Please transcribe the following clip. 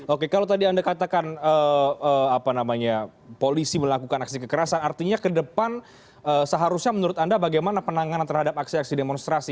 oke kalau tadi anda katakan polisi melakukan aksi kekerasan artinya ke depan seharusnya menurut anda bagaimana penanganan terhadap aksi aksi demonstrasi